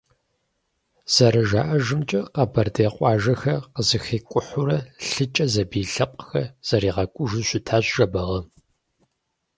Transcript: ЗэрыжаӀэжымкӀэ, къэбэрдей къуажэхэр къызэхикӀухьурэ, лъыкӀэ зэбий лъэпкъхэр зэригъэкӀужу щытащ Жэбагъы.